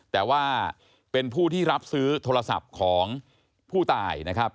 แต่ว่าเป็นผู้ที่รับซื้อโทรศัพท์ของผู้ตายนะครับ